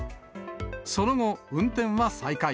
その後、運転は再開。